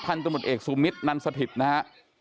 พันธุ์ตมุดเอกสูมิตรนันสถิตนะฮะ